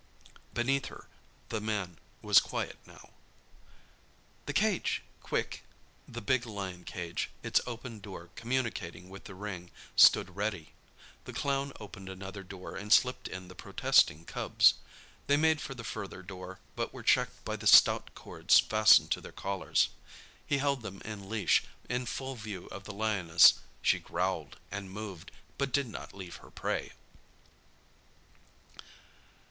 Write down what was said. Beneath her the man was quiet now. "The cage—quick?" The big lion cage, its open door communicating with the ring, stood ready. The clown opened another door and slipped in the protesting cubs. They made for the further door, but were checked by the stout cords fastened to their collars. He held them in leash, in full view of the lioness. She growled and moved, but did not leave her prey.